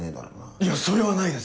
いやそれはないです